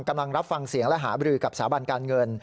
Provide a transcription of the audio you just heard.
กำลังรับฟังเสียงและหาบรือกับสถาบันการเงิน